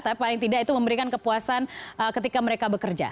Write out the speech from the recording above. tapi paling tidak itu memberikan kepuasan ketika mereka bekerja